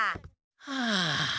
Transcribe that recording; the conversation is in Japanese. はあ。